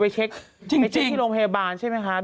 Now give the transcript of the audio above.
เช็คที่โรงพยาบาลใช่ไหมคะ